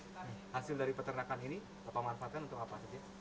hasil dari peternakan ini apa manfaatnya untuk apa